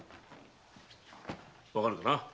わかるかな？